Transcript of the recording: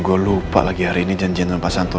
gue lupa lagi hari ini janjian